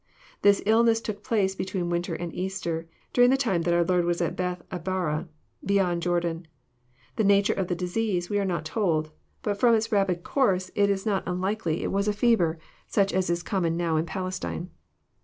This illness took place between winter and Easter, during the time that our Lord was at Bcthabara, beyond Jordan. The na ture of the disease we are not told ; but from its rapid cooraey it JOHN, CHAP. XI. 235 is not unlikely it Was a fever, snch as !b common even now In Palestine.